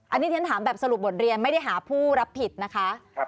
อันนี้ฉันถามแบบสรุปบทเรียนไม่ได้หาผู้รับผิดนะคะ